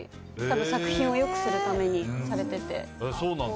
作品を良くするためにされていて。